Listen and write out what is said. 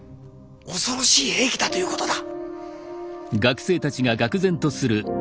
恐ろしい兵器だということだ。